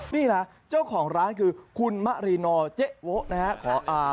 นี่แหละเจ้าของร้านคือคุณมะรีนอร์เจ๊โวะนะครับ